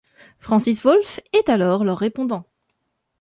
Francis Wolff est alors leur répondant.